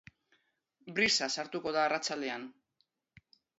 Brisa sartuko da arratsaldean.